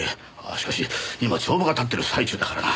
しかし今帳場が立ってる最中だからな。